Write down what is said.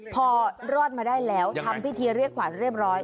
พอรอดมาได้แล้วทำพิธีเรียกขวัญเรียบร้อย